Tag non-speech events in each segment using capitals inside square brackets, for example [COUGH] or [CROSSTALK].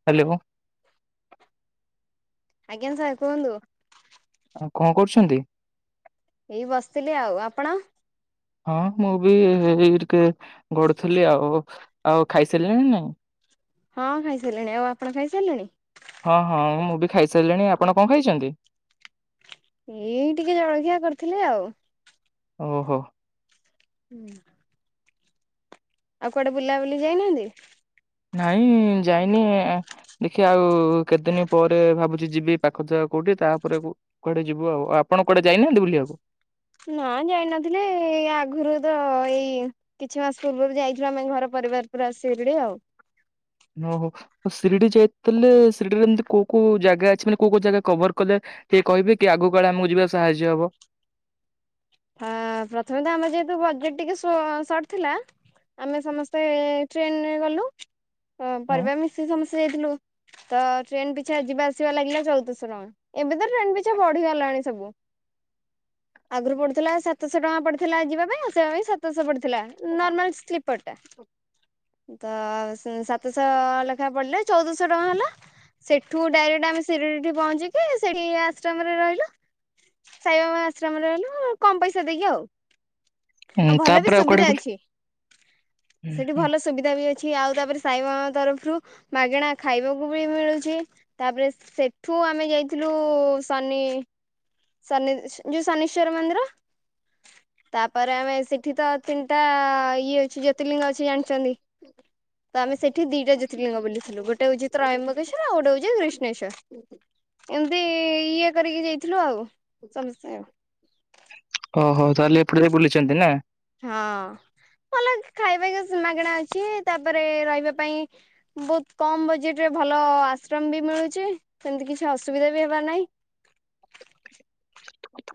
[UNINTELLIGIBLE] ଆଜ୍ଞା ସାର୍ କୁହନ୍ତୁ? ଆଉ କଣ କରୁଛନ୍ତି? ଏଇ ବସିଥିଲି ଆଉ ଆପଣ? ହଁ ମୁଁ ବି ଏଇ ଟିକେ ଗଡୁଥିଲି ଆଉ ଆଉ ଖାଇସାରିଲେଣି ନା ନାଇଁ? ହଁ ଖାଇସାରିଲିଣି ଆଉ ଆପଣ ଖାଇସାରିଲେଣି? ହଁ ହଁ ମୁଁ ବି ଖାଇସାରିଲିଣି ଆପଣ କଣ ଖାଇଛନ୍ତି? ଏଇ ଟିକେ ଜଳଖିଆ କରିଥିଲି ଆଉ। ଓହୋ। ନାଁ ଆଉ କୁଆଡେ ବୁଲା ବୁଲି ଯାଇନାହାନ୍ତି? ନାଇଁ ଯାଇନି ଦେଖିଆ ଆଉ କେତେଦିନ୍ ପରେ ଭାବୁଛି ଯିବି ପାଖ ଜାଗା କୋଉଠି ତାପରେ କୁଆଡେ ଯିବୁ ଆଉ ଆପଣ କୁଆଡେ ଯାଇନାହାନ୍ତି ବୁଲିବାକୁ? ନା ଯାଇନଥିଲି ଆଗରୁ ତ ଏଇ କିଛି ମାସ ପୂର୍ବରୁ ଯାଇଥିଲୁ ଆମେ ଘର ପରିବାର ପୁରା ଶିରିଡ଼ି ଆଉ ଓହୋ ଶିରିଡି ଯାଇଥିଲେ ଶିରିଡିରେ ଏମିତି କୋଉ କୋଉ ଜାଗା ଅଛି ମାନେ କୋଉ କୋଉ ଜାଗା କଭର୍ କଲେ ଟିକିଏ କହିବେ କି ଆଗକୁ କାଳେ ଆମକୁ ଯିବା କୁ ସାହାଯ୍ୟ ହବ? ହଁ ପ୍ରଥମେ ତ ଆମେ ଯେହେତୁ ବଜେଟ୍ ଟିକେ ସଟ୍ ଥିଲା ଆମେ ସମସ୍ତେ ଟ୍ରେନ୍ ରେ ଗଲୁ ପରିବାର ମିଶିକି ସମସ୍ତେ ଯାଇଥିଲୁ। ତ ଟ୍ରେନ୍ ପିଛା ଯିବା ଆସିବା ଲାଗିଲା ଚଉଦଶ ଟଙ୍କା। ଏବେ ତ ଟ୍ରେନ୍ ପିଛା ବଢିଗଲାଣି ସବୁ। ଆଗରୁ ପଡୁ ହେଲା ସାତଶହ ଟଙ୍କା ପଡ଼ିଥିଲା ଯିବା ପାଇ ଆସିବା ପାଇଁ ସାତଶହ ପଡ଼ିଥିଲା ନର୍ମାଲ ସ୍କିପ୍ ଟା ତ ସାତଶହ ଲେଖାଏ ପଡିଲା ଚଉଦଶ ଚଉଦଶ ଟଙ୍କା ହେଲା ସେଠୁ ଡାଇରେକ୍ଟ ଆମେ ଶିରିଡି ଠି ପହଞ୍ଚିକି ସେଇଠି ଆଶ୍ରମରେ ରହିଲୁ। ସାଇବାବା ଆଶ୍ରମରେ କମ ପଇସା ଦେଇକି ଆଉ। ଆଉ ହଁ ଭଲ ବି ତାପରେ କୁଆଡେ ସୁବିଧା ଗଲେ ଅଛି ସେଠି ଭଲ ସୁବିଧା ବି ଅଛି ଆଉ ତାପରେ ସାଇବାବାଙ୍କ ତରଫରୁ ମାଗେଣା ଖାଇବାକୁ ବି ମିଳୁଛି। ତାପରେ ସେଠୁ ଆମେ ଯାଇଥିଲୁ ଶନି ସେ ଯଉ ସନୀଶ୍ୱର ମନ୍ଦିର ତାପରେ ଆମେ ସେଠି ତ ତିନିଟା ଇଏ ହଉଛି ଜ୍ୟୋତିଲିଙ୍ଗ ଅଛି ଜାଣିଛନ୍ତି ତ ଆମେ ସେଠି ଦିଟା ଜ୍ୟୋତିର୍ଲିିଙ୍ଗ ବୋଲିଥିଲୁ। ଗୋଟେ ହଉଛି ତ ତ୍ରୟମ୍ବକେସ ଗୋଟେ ହଉଛି ଗ୍ରୀଷ୍ଣେଶ୍ଵର ଏମିତି ଇଏ କରିକି ଯାଇଥିଲୁ ଆଉ। ସମସ୍ତେ ଓହୋ ତାହେଲେ ଏପଟେ ଯ ବି ବୁଲିଛନ୍ତି ନା? ହଁ ଭଲ ଖାଇବା ମାଗଣା ଅଛି ତାପରେ ରହିବା ପାଇଁ ବହୁତ କମ୍ ବଜେଟରେ ଭଲ ଆଶ୍ରମ ବି ମିଳୁଛି। ସେମିତି କିଛି ଅସୁବିଧା ବି ହେବାର ନାହିଁ।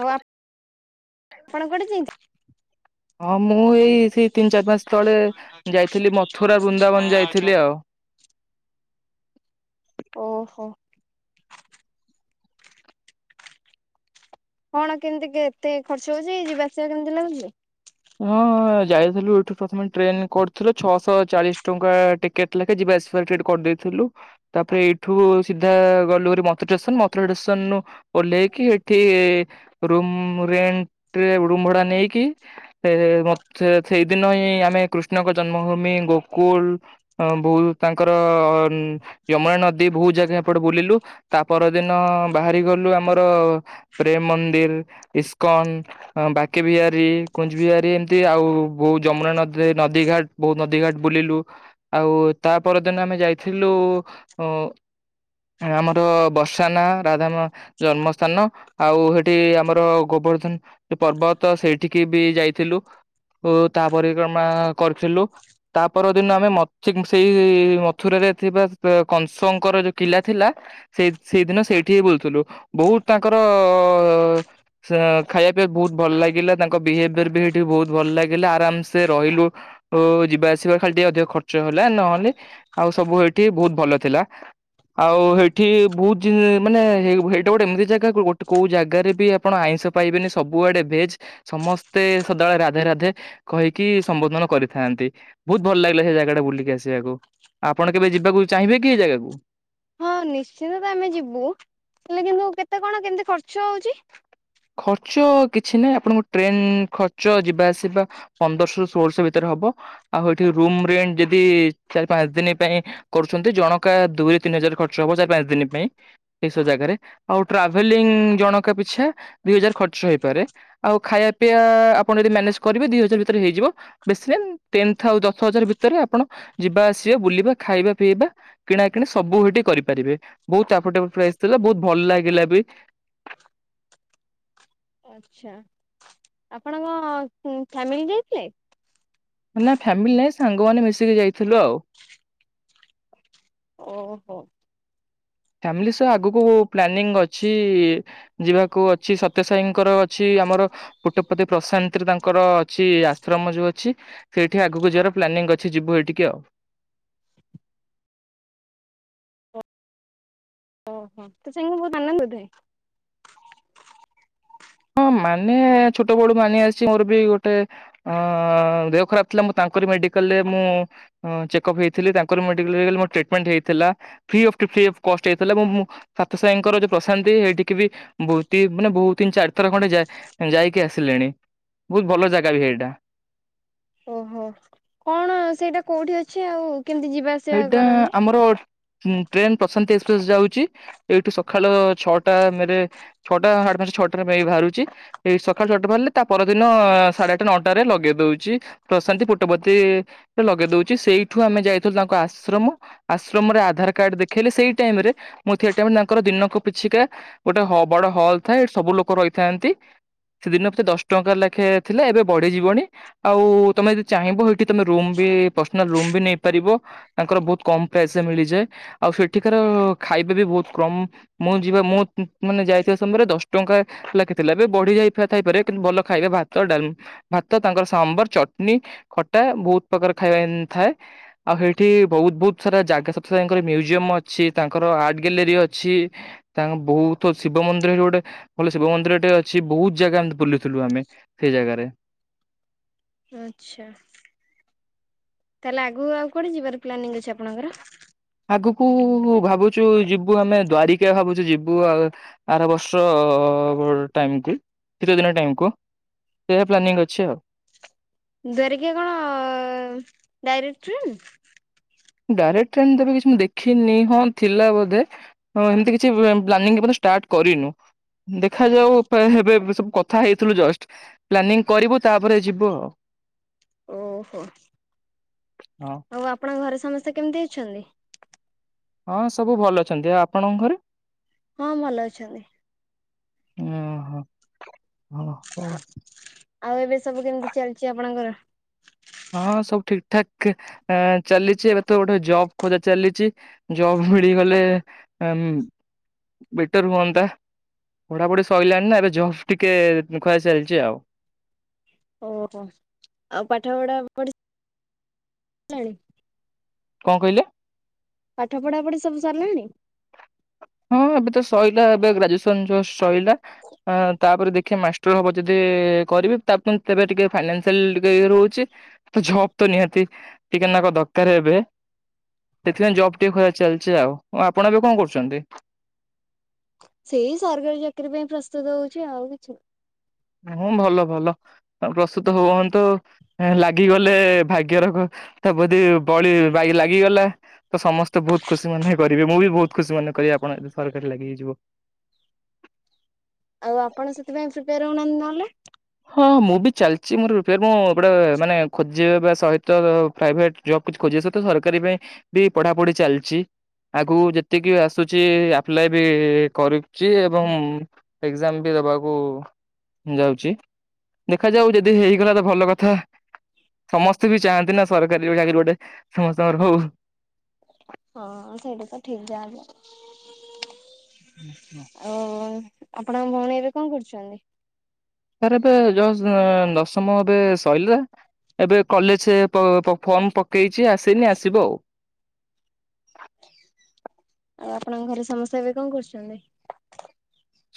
ଆଉ ଆପଣ କୋଉଠି ଜଇଥିଲେ? ହଁ ମୁଁ ଏଇ ସେଇ ତିନି ଚାରି ମାସ ତଳେ ଯାଇଥିଲି ମଥୁରା ବୃନ୍ଦାବନ ଯାଇଥିଲି ଆଉ। ଓହୋ କଣ କେମିତି କେତେ ଖର୍ଚ୍ଚ ହଉଛି ଯିବା ଆସିବା କେମିତି ଲାଗୁଛି? ହଁ ଯାଇଥିଲୁ ଏଠୁ ପ୍ରଥମେ ଟ୍ରେନ କରୁଥିଲୁ ଛଅଶହ ଚାଳିଶ ଟଙ୍କା ଟିକେଟ୍ ଲେଖ ଯିବା ଟିକେଟ କରିଦେଇଥିଲୁ। ତାପରେ ଏଇଠୁ ସିଧା ଗଲୁଭାରି ମଥୁରା ଷ୍ଟେସନ ମଥୁରା ଷ୍ଟେସନ ରୁ ଓହ୍ଲେଇକି ଏଠି ରୁମ ରେନ୍ଟରେ ରୁମ ଭଡା ନେଇକି ସେ ସେଇଦିନ ହିଁ ଆମେ କୃଷ୍ଣଙ୍କ ଜନ୍ମଭୂମି ଗୋକୁଲ ଅ ବହୁ ତାଙ୍କର ଅ ଯମୁନା ନଦୀ ବହୁ ଜାଗା ଏପଟେ ବୁଲିଲୁ ତା ପରଦିନ ବାହାରି ଗଲୁ ଆମର ପ୍ରେମ ମନ୍ଦିର ଇସ୍କନ ଅ ବାକେ ବିହାରୀ କୁଞ୍ଜ ବିହାରୀ ଏମିତି ଆଉ ବୋ ଯମୁନା ନଦୀରେ ନଦୀ ଘାଟ ବହୁ ନଦୀ ଘାଟ ବୁଲିଲୁ ଆଉ ତା ପରଦିନ ଆମେ ଯାଇଥିଲୁ ଉଁ ଆମର ବର୍ଷାନ ରାଧାମ ଜନ୍ମ ସ୍ଥାନ ଆଉ ହେଠି ଆମର ଗୋବର୍ଦ୍ଧନ ପର୍ବତ ସେଇଠି କି ବି ଯାଇଥିଲୁ ଉଁ ତା ପରିକ୍ରମା କରିଥିଲୁ। ତା ପର ଦିନ ଆମେ ସେଇ ମଥୁରରେ ଥିବା କଂସଙ୍କର ଯୋଉ କିଲା ଥିଲା ସେଇ ସେଇଦିନ ସେଇଠି ହି ବୋଲୁଥିଲୁ ବହୁତ ତାଙ୍କର ସେ ଖାଇବା ପାଇଁ ବହୁତ ଭଲ ଲାଗିଲା ତାଙ୍କୁ ଙ୍କ ବିହେଭିୟର ବି ସେଇଠି ବହୁତ ଭଲ ଲାଗିଲା ଆରାମସେ ରହିଲୁ ଓ ଯିବା ଆସିବା ଖାଲି ଟିକେ ଅଧିକ ଖର୍ଚ୍ଚ ହେଲା ନହେଲେ ଆଉ ସବୁ ଏଇଠି ବହୁତ ଭଲ ଥିଲା। ଆଉ ସେଇଠି ବହୁତ ଦିନ ମାନେ ସେଇଟା ଗୋଟେ ଏମିତି ଜାଗା ଗୋଟେ କୋଉ ଜାଗାରେ ବି ଆ ଆପଣ ଆଇଁଷ ପାଇବେନି ସବୁଆଡେ ଭେଜ ସମସ୍ତେ ସଦାବେଳେ ରାଧେ ରାଧେ କହିକି ସମ୍ବୋଧନ କରିଥାନ୍ତି ବହୁତ ଭଲ ଲାଗିଲା ସେ ଜାଗା ଟା ବୁଲିକି ଆସିବାକୁ। ଆପଣ କେବେ ଯିବାକୁ ଚାହିଁବେ କି ଏ ଜାଗାକୁ? ହଁ ନିଶ୍ଚିନ୍ତ ତ ଆମେ ଯିବୁ ହେଲେ କିନ୍ତୁ କେତେ କଣ କେମିତି ଖର୍ଚ୍ଚ ହଉଛି? ଖର୍ଚ କିଛି ନାହିଁ ଆପଣଙ୍କ ଟ୍ରେନ ଖର୍ଚ୍ଚ ଯିବା ଆସିବା ପନ୍ଦରଶହ ର ଷୋହଳଶହ ଭିତରେ ହବ ଆଉ ଏଠି ରୁମ ରେଟ ଯଦି ଚାରି ପାଞ୍ଚ ଦିନ ପାଇଁ କରୁଛନ୍ତି ଜଣକା ଦୁଇରେ ତିନି ହଜାର ଖର୍ଚ୍ଚ ହବ ଚାରି ପାଞ୍ଚ ଦିନ ପାଇଁ ଏସୁ ଜାଗାରେ ଆଉ ଟ୍ରାଭେଲିଂ ଜଣଙ୍କ ପିଛା ଦି ହଜାର ଖର୍ଚ୍ଚ ହେଇପାରେ ଆଉ ଖାଇବା ପିଇବା ଆପଣ ଯଦି ମ୍ୟାନେଜ କରିବେ ଦି ହଜାର ଭିତରେ ହେଇଯିବ ବେଶୀ ଟେନ ଆଉ ଦଶ ହଜାର ଭିତରେ ଆପଣ ଯିବା ଆସିବା ବୁଲିବା ଖାଇବା ପିଇବା କିଣା କିିଣି ସବୁ ହେଠି କରିପାରିବେ ବହୁତ ଆଫୋର୍ଟେବଲ ପ୍ରାଇ ଥିଲା ବହୁତ ଭଲ ଲାଗିଲା ବି ଆଚ୍ଛା ଆପଣଙ୍କ ଉଁ ଫ୍ୟାମିଲି ଯାଇଥିଲେ? ନା ଫ୍ୟାମିଲି ନାଇଁ ସାଙ୍ଗମାନେ ମିଶିକି ଯାଇଥିଲୁ ଆଉ। ଓହୋ। ଫ୍ୟାମିଲି ସହ ଆଗକୁ ପ୍ଲାନିଂ ଅଛି ଯିବାକୁ ଅଛି ସତ୍ୟ ସାଇଙ୍କର ଅଛି ଆମର କୁଟପତି ପ୍ରଶାନ୍ତରେ ତାଙ୍କର ଅଛି ଆଶ୍ରମ ଯୋଉ ଅଛି। ସେଇଠି ଆଗକୁ ଯିବାର ପ୍ଲାନିଂ ଅଛି ଯିବୁ ଏଇଠିକି ଆଉ ଓହୋ ତ ସାଙ୍ଗଙ୍କୁ ବହୁତ ଆନନ୍ଦ ଥାଏ। ହଁ ମାନେ ଛୋଟ ବଳୁ ମାନି ଆସିଚି ମୋର ବି ଗୋଟେ ଅ ଦେହ ଖରାପ ଥିଲା ମୁଁ ତାଙ୍କରି ମେଡିକାଲରେ ମୁଁ ଆଁ ଚେକ ଅପ୍ ହେଇଥିଲି ତାଙ୍କର ମେଡିକଲ ମୁ ଟ୍ରିଟମେଣ୍ଟ ହେଇଥିଲା ଫ୍ରି ଅଫ କଷ୍ଟ ରେ ହେଇଥିଲା ମୁଁ ମୁଁ। ସାତ ସାଇଙ୍କର ଯୋଉ ପ୍ରଶାନ୍ତି ସେଇଠିକି ବି ବହୁତି ମାନେ ବହୁତ ତିନି ଚାରି ଦି ଥର ଖଣ୍ଡେ ଯା-ଯାଇକି ଆସିଲିଣି ବହୁତ ଭଲ ଜାଗା ବି ଏଇଟା। ଓହୋ କଣ ସେଇଟା କୋଉଠି ଅଛି ଆଉ କେମିତି ଯିବା ଆସିବା ଏଇଟା କରନ୍ତି? ଆମର ଟ୍ରେନ ପ୍ରଶାନ୍ତି ଏକ୍ସପ୍ରେସ ଯାଉଛି ଏଇଠି ସକାଳ ଛଅଟା ମେରେ ଛଅଟା ସାଢ଼େ ପାଞ୍ଚଟା ଛଅଟାରେ ମେରେ ବାହାରୁଛି। ଏଇ ସକାଳ ଛଅଟା ବାହାରିଲେ ତା ପରଦିନ ସାଢେ ଆଠ ନଅଟା ରେ ଲଗେଇ ଦଉଛି। ପ୍ରଶାନ୍ତି ପୁଟବତୀରେ ଲଗେଇ ଦଉଛି ସେଇଠୁ ଆମେ ଯାଇଥିଲୁ ତାଙ୍କ ଆଶ୍ରମ। ଆଶ୍ରମରେ ଆଧାର କାର୍ଡ ଦେଖେଇଲେ ସେଇ ଟାଇମରେ ମୁଁ ଟାଇମ ରେ ତାଙ୍କର ଦିନକୁ ପିଛିିକା ଗୋଟେ ହ ବଡ ହଲ୍ ଥାଏ ଏଠି ସବୁ ଲୋକ ରହିଥାନ୍ତି। ସେଦିନ ପ୍ରତି ଦଶ ଟଙ୍କା ଲେଖାଏ ଥିଲା ଏବେ ବଢିଯିବନି। ଆଉ ତମେ ଯଦି ଚାହିଁବ ସେଇଠି ତମେ ରୁମ ବି ପର୍ସନାଲ ରୁମ ବି ନେଇ ପାରିବ ତାଙ୍କର ବହୁତ କମ ପ୍ରାଇସରେ ମିଳିଯାଏ ଆଉ ସେଠିକାର ଖାଇବା ବି ବହୁତ କମ। ମୁଁ ଯିବା ମୁଁ ମାନେ ଯାଇଥିବା ସମୟରେ ଦଶ ଟଙ୍କା ଲାଗିଥିଲା ଏବେ ବଢିଯାଇ ଥାଇପାରେ କିନ୍ତୁ ଭଲ ଖାଇବେ ଭାତ ଡାଲ ଭାତ ତାଙ୍କର ସାମ୍ବର, ଚଟଣୀ, ଖଟା ବହୁତ ପ୍ରକାର ଖାଇବା ଥାଏ। ଆଉ ସେଇଠି ବହୁତ ବହୁତ ସାରା ଜାଗା ସତ୍ୟ ସାଇଙ୍କର ମ୍ୟୁଜିୟମ ଅଛି ତାଙ୍କର ଆର୍ଟ ଗ୍ୟାଲେରୀ ଅଛି। ତାଙ୍କ ବହୁତୁ ଶିବ ମନ୍ଦିର ଗୋଟେ ଭଲ ଶିବ ମନ୍ଦିରଟେ ଅଛି ବହୁତ ଜାଗା ଏମିତି ବୁଲୁଥିଲୁ ଆମେ। ସେଇ ଜାଗାରେ। ଆଚ୍ଛା। ତାହେଲେ ଆଗକୁ ଆଉ କୁଆଡେ ଯିବାର ପ୍ଲାନିଂ ଅଛି ଆପଣଙ୍କର? ଆଗୁକୁ ଭାବୁଛୁ ଯିବୁ ଆମେ ଦ୍ୱାରିକା ଭାବୁଛୁ ଯିବୁ ଆଉ। ଆର ବର୍ଷ ଅ ଟାଇମକୁ ଶୀତ ଦିନ ଟାଇମକୁ। ସେୟା ପ୍ଲାନିଂ ଅଛି ଆଉ। ଦ୍ଵାରିକା କଣ ଡାଇରେକ୍ଟ ଟ୍ରେନ୍? ଡାଇରେକ୍ଟ ଟ୍ରେନ ତ ଏବେ କିଛି ମୁଁ ଦେଖିନି ହଁ ଥିଲା ବୋଧେ। ହଁ ଏମିତି କିଛି ବ ପ୍ଲାନିଂ ଏପନ୍ତ ଷ୍ଟାର୍ଟ କରିନୁ। ଦେଖାଯାଉ ପେ ହେବେ ଏବେ ସବୁ କଥା ହେଇଥିଲୁ ଜଷ୍ଟ। ପ୍ଲାନିଂ କରିବୁ ତାପରେ ଯିବୁ ଆଉ। ଓହୋ। ହଁ ଆଉ ଆପଣଙ୍କ ଘରେ ସମସ୍ତେ କେମିତି ଅଛନ୍ତି? ହଁ ସବୁ ଭଲ ଅଛନ୍ତି। ଆଉ ଆପଣଙ୍କ ଘରେ? ହଁ ଭଲ ଅଛନ୍ତି। ଓଁ ହ ହ ହଉ। ଆଉ ଏବେ ସବୁ କେମିତି ଚାଲିଛି ଆପଣଙ୍କର? ହଁ ସବୁ ଠିକ ଠାକ ଆ ଚାଲିଛି ଏବେ ତ ଗୋଟେ ଜବ୍ ଖୋଜା ଚାଲିଛି। ଜବ୍ ମିଳିଗଲେ ଏମ। ବେଟର ହୁଅନ୍ତା ପଢାପଢି ସଇଲାଣି ନା ଏବେ ଜବ୍ ଟିକେ ଇଁ ଖୋଜା ଚାଲିଛି ଆଉ। ଓହୋ ଆଉ ପାଠ ପଢା ପଢି ଲାଣି। କଣ କହିଲେ? ପାଠ ପଢ଼ାପଢ଼ି ସବୁ ସାରିଲାଣି? ହଁ ଏବେ ତ ସଇଲା ଏବେ ଗ୍ରାଜୁଏସନ ଯସ୍ ସଇଲା ଆଁ ତାପରେ ଦେଖିବା ମା ଟର ହବ ଯଦି କରିବି ତା [UNINTELLIGIBLE] ତେବେ ଟିକେ ଫାଇନାସିଆଲ ଟିକେ ଇଏ ରହୁଛି। ତ ଜବ ତ ନିହାତି ଟିକେ ନାକ ଦରକାର ଏବେ। ସେଥିପାଇଁ ଜବ୍ ଟିକେ ଖୋଜା ଚାଲିଛି ଆଉ। ଆପଣ ଏବେ କଣ କରୁଛନ୍ତି? ସେଇ ସରକାରୀ ଚାକିରି ପାଇଁ ପ୍ରସ୍ତୁତ ହଉଛି ଆଉ କିଛି ହୁଁ ଭଲ ଭଲ। ଅ ପ୍ରସ୍ତୁତ ହୁଅନ୍ତୁ ହେଁ ଲାଗିଗଲେ ଭାଗ୍ୟର କ ତା ବୋଧି ବଳି ବାଇ ଲାଗିଗଲା। ତ ସମସ୍ତେ ବହୁତ ଖୁସି ମନେ କରିବେ ମୁଁ ବି ବହୁତ ଖୁସି ମନେ କରିବି ଆପଣ [UNINTELLIGIBLE] ସରକାରୀ ଲାଗି ହେଇଯିବ। ଆଉ ଆପଣ ସେଥିପାଇଁ ପ୍ରିପେୟାର ହଉନାହାନ୍ତି ନହେଲେ। ହଁ ମୁଁ ବି ଚାଲିଛି ମୋର ପ୍ରିପେୟାର୍ ମୁଁ ଗୋଟେ ମାନେ ଖୋଜିବା ସହିତ ର ପ୍ରାଇଭେଟ। ଜବ୍ କିଛି ଖୋଜିବା ସହିତ ସରକାରୀ ପାଇଁ ବି ପଢାପଢି ଚାଲିଛି। ଆଗକୁ ଯେତିକି ଆସୁଛି ଆପ୍ଲାଏ ବି କରିଛି ଏବଂ। ଏକ୍ଜାମ ବି ଦବାକୁ ଯାଉଛି ଦେଖାଯାଉ ଯଦି ହେଇଗଲା ତ ଭଲ କ ଥା ସମସ୍ତେ ବି ଚାହାନ୍ତି ନା ସରକାରୀ ଭଳିଆ ଚାକିରି ଗୋଟେ ସମସ୍ତଙ୍କର ହଉ। ହଁ ସେଇଟା ତ ଠିକ ଯାହେଲେ। ହୁଁ ହୁଁ। ଆଉ ଆପଣଙ୍କ ଭଉଣୀ ଏବେ କଣ କରୁଛନ୍ତି? ତାର ଏବେ ଜସ ଅଁ ଦଶମ ଏବେ ଶଇଲା। ଏବେ କଲେଜ ପ ପ ଫର୍ମ ପକେଇଛି ଆସିନି ଆସିବ ଆଉ। ଆଉ ଆପଣଙ୍କ ଘରେ ସମସ୍ତେ ଏବେ କଣ କରୁଛନ୍ତି?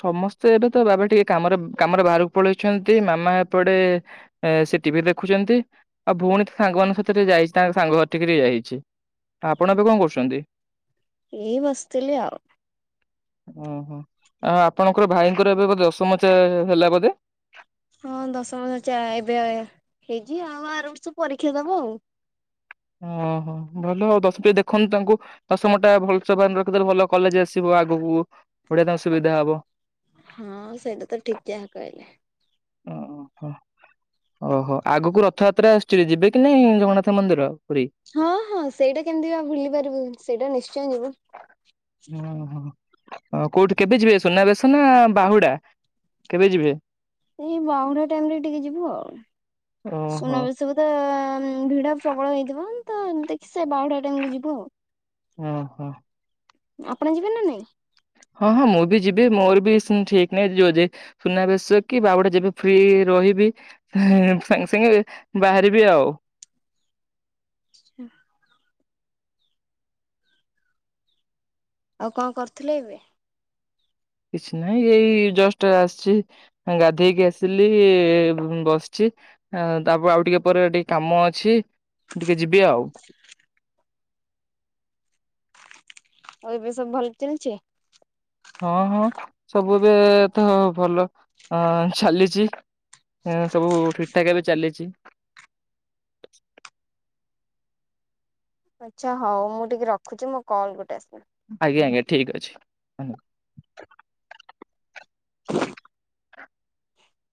ସମସ୍ତେ ଏବେ ତ ବାବା ଟିକେ କାମରେ କାମରେ ବାହାରକୁ ପଳେଇଛନ୍ତି ମାମା ଏପଟେ। ଏ ସେ ଟି ଭି ଦେଖୁଛନ୍ତି ଆଉ ଭଉଣୀ ତା ସାଙ୍ଗମାନଙ୍କ ସହିତ ଟିକେ ଯାଇଛି ତାଙ୍କ ସାଙ୍ଗ ଘର ଠି କିରି ଯାଇଛି। ଆପଣ ଏବେ କଣ କରୁଛନ୍ତି? ଏଇ ବସିଥିଲି ଆଉ। ଓହୋ ଆ ଆପଣଙ୍କର ଭାଇଙ୍କର ଏବେ ବୋଧେ ଦଶମ ଚା ହେଲା ବୋଧେ? ହଁ ଦଶମ ଚା ଏବେ ଆ ହେଇଛି ଆଉ ଆର ବର୍ଷ ପରୀକ୍ଷା ଦବ ଆଉ। ଓହୋ ଭଲ ଆଉ [UNINTELLIGIBLE] ଦେଖନ୍ତୁ ତାଙ୍କୁ ଦଶମ ଟା ଭଲସେ ମାର୍କ ରଖିଦେଲେ ଭଲ କଲେଜ୍ ଆସିବ ଆଗକୁ ବଢିଆ ତାଙ୍କୁ ସୁବିଧା ହବ। ହଁ ସେଇଟା ତ ଠିକ୍ ଯାହା କହିଲେ। ଅ ହଁ। ଓହୋ, ଆଗକୁ ରଥଯାତ୍ରା ଆସୁଛି ଯିବେ କି ନାଇଁ ଜଗନା ନାଥ ମନ୍ଦିର ପୁରୀ? ହଁ ହଁ ସେଇଟା କେମିତି ବା ଭୁଲି ପାରିବୁ ସେଇଟା ନିଶ୍ଚୟ ଯିବୁ। ହୁଁ ହୁଁ। କୋଉଠି କେବେ ଯିବେ ସୁନାବେଶ ନା ବାହୁଡା କେବେ ଯିବେ? ଏଇ ବାହୁଡା ଟାଇମ୍ ରେ ଟିକେ ଯିବୁ ଆଉ। ଓହୋ ସୁନାବେ ସବୁ ତ ଭିଡ଼ ପ୍ରବଳ ହେଇଥିବ, ତ ଦେଖି ସେ ବାହୁଡ଼ା ଟାଇମକୁୁ ଯିବୁ ଆଉ। ଓହୋ। ଆପଣ ଯିବେ ନା ନାଇଁ? ହଁ ହଁ ମୁଁ ବି ଯିବି। ମୋର ବି ସେମତି ଠିକ୍ ନାହିଁ ଯୋଉ ଯେ ସୁନାବେଶ କି ବାହୁଡା ଯେବେ ଫ୍ରି ରହିବି ସାଙ୍ଗେ ସାଙ୍ଗେ ବାହାରିବି ଆଉ। [UNINTELLIGIBLE] ଆଉ କଣ କରୁଥିଲେ ଏବେ? କିଛି ନାହିଁ ଏଇ ଜଷ୍ଟ୍ ଆସିଚି। ଗାଧେଇକି ଆସିଲି ବସିଚି। ତାପରେ ଆଉ ଟିକେ ପରେ ଟିକେ କାମ ଅଛି ମୁଁ ଟିକେ ଯିବେ ଆଉ। ଆଉ ଏବେ ସବୁ ଭଲ ଚାଲିଚି? ହଁ ହଁ ସବୁ ଏବେ ତ ଭଲ ଅ ଚାଲିଚି। ହଁ ସବୁ ଠିକ୍ ଠାକ୍ ଏବେ ଚାଲିଚି। ଆଚ୍ଛା ହଉ ମୁଁ ଟିକେ ରଖୁଚି ମୋ କଲ୍ ଗୋଟେ ଆସିଲାଣି। ଆଜ୍ଞା ଆଜ୍ଞା ଠିକ୍ ଅଛି। [INAUDIBLE]